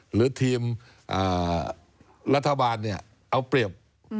หรือทีมรัฐบาลเอาเปรียบ